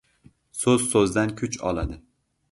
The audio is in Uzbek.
• So‘z so‘zdan kuch oladi.